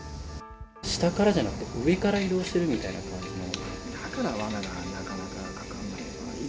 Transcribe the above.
下からじゃなくて、上から移動してるみたいな感じなので、だから、わながなかなかかからないのか。